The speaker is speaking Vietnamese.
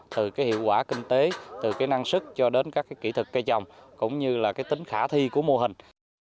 từ cái hiệu quả kinh tế từ cái năng sức cho đến các kỹ thuật cây trồng cũng như là cái tính khả thi của mô hình